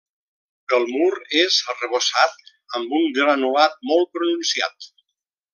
El mur és arrebossat amb un granulat molt pronunciat.